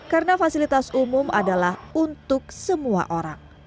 karena fasilitas umum adalah untuk semua orang